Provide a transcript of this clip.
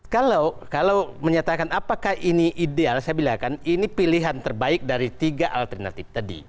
kalau menyatakan apakah ini ideal saya bilang kan ini pilihan terbaik dari tiga alternatif tadi